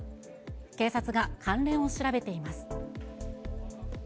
警察が関連を調べています。